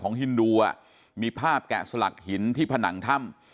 ฮินดูมีภาพแกะสลักหินที่ผนังถ้ำ